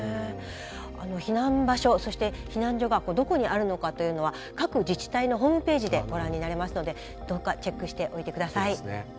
避難場所そして避難所がどこにあるのかというのは各自治体のホームページでご覧になれますのでどうかチェックしておいてください。